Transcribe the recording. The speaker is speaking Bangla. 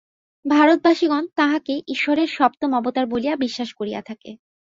ভারতবাসিগণ তাঁহাকে ঈশ্বরের সপ্তম অবতার বলিয়া বিশ্বাস করিয়া থাকে।